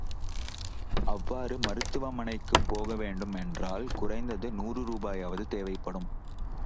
அவ்வாறு மருத்துவ மனைக்குப் போக வேண்டும் என்றால், குறைந்தது நூறு ரூபாயாவது தேவைப்படும்.